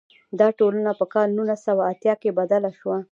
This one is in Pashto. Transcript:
دا ټولنه په کال نولس سوه اتیا کې بدله شوه.